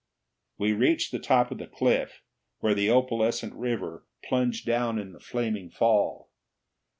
We reached the top of the cliff, where the opalescent river plunged down in the flaming fall.